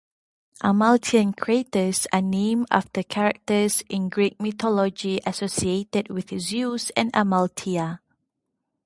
Amalthean craters are named after characters in Greek mythology associated with Zeus and Amalthea.